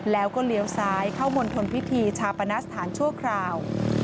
แล้วก็เลี้ยวซ้ายเข้ามณฑลพิธีชาปนสถานชั่วคราว